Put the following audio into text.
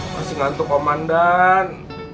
masih ngantuk komandan